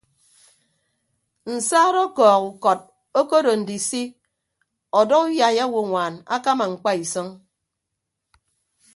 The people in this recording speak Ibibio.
Nsaat ọkọọk ukọt okodo ndisi ọdọ uyai owoññwaan akama ñkpa isʌñ.